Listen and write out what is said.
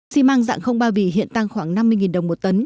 xi măng dạng không bao bì hiện tăng khoảng năm mươi đồng một tấn